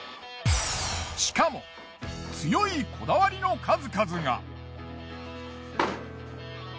しかも強いこだわりの数々が。